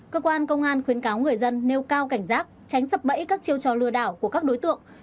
cơ quan công an khuyến cáo người dân nêu cao cảnh giác tránh sập bẫy các chiêu trò lừa đảo của các đối tượng